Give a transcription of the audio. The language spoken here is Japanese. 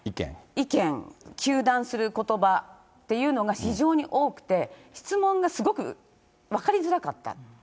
意見、糾弾することばというのが非常に多くて、質問がすごく分かりづらかった。